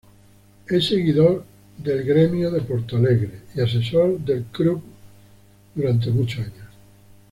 Es seguidor del Grêmio de Porto Alegre, y asesor del club durante muchos años.